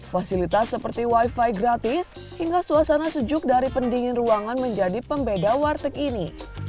fasilitas seperti wifi gratis hingga suasana sejuk dari pendingin ruangan menjadi pembeda warteg ini